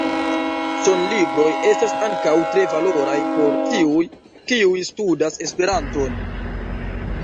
Sonlibroj estas ankaŭ tre valoraj por tiuj, kiuj studas Esperanton.